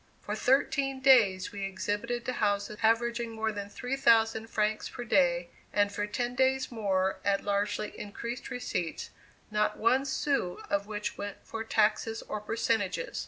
For thirteen days we exhibited to houses averaging more than 3,000 francs per day, and for ten days more at largely increased receipts, not one sou of which went for taxes or percentages.